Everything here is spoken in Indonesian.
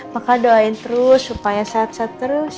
maka doain terus supaya sehat sehat terus